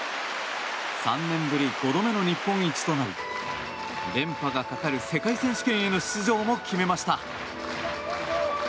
３年ぶり５度目の日本一となり連覇がかかる世界選手権への出場も決めました。